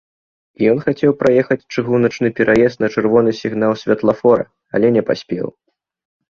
Ён хацеў праехаць чыгуначны пераезд на чырвоны сігнал святлафора, але не паспеў.